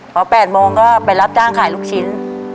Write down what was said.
พอ๘โมงก็ไปรับจ้างขายลูกชิ้น